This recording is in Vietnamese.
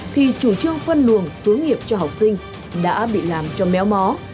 thì chủ trương phân luồng hướng nghiệp cho học sinh đã bị làm cho méo mó